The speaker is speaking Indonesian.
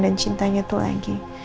dan cintanya itu lagi